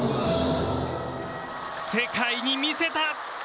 世界に見せた。